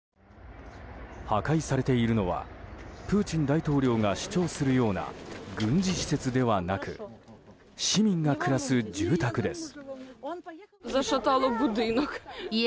破壊されているのはプーチン大統領が主張するような軍事施設ではなく市民が暮らす住宅です。